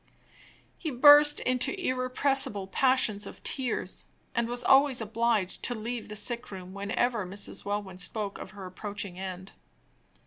He burst into irrepressible passions of tears, and was always obliged to leave the sick room whenever Mrs. Welwyn spoke of her approaching end.